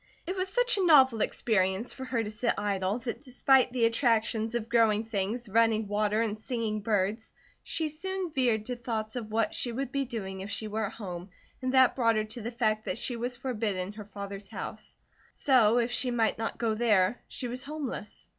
It was such a novel experience for her to sit idle, that despite the attractions of growing things, running water, and singing birds, she soon veered to thoughts of what she would be doing if she were at home, and that brought her to the fact that she was forbidden her father's house; so if she might not go there, she was homeless.